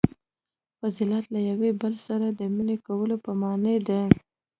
• فضیلت له یوه بل سره د مینې کولو په معنیٰ دی.